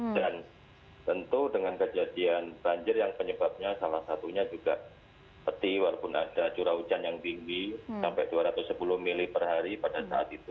dan tentu dengan kejadian banjir yang penyebabnya salah satunya juga peti walaupun ada curah hujan yang tinggi sampai dua ratus sepuluh mili per hari pada saat itu